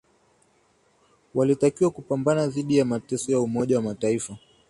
walitakiwa kupambana dhidi ya mateso ya umoja wa mataifa